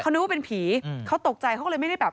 นึกว่าเป็นผีเขาตกใจเขาก็เลยไม่ได้แบบ